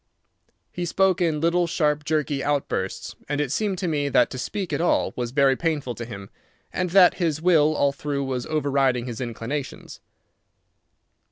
He spoke in little, sharp, jerky outbursts, and it seemed to me that to speak at all was very painful to him, and that his will all through was overriding his inclinations.